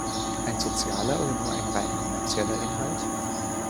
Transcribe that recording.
Ein sozialer oder nur ein rein kommerzieller Inhalt?